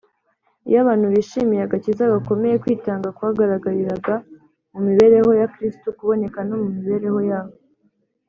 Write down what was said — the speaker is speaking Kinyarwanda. iyo abantu bishimiye agakiza gakomeye, kwitanga kwagaragariraga mu mibereho ya kristo kuboneka no mu mibereho yabo